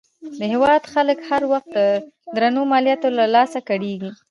د هېواد خلک هر وخت د درنو مالیاتو له لاسه کړېږي.